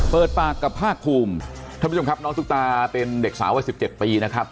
เปิดปากกับภาคภูมิท่านผู้ชมครับน้องตุ๊กตาเป็นเด็กสาววัยสิบเจ็ดปีนะครับ